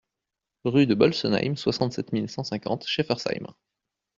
Rue de Bolsenheim, soixante-sept mille cent cinquante Schaeffersheim